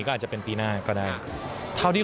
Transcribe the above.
ก็อาจจะเป็นปีหน้าก็ได้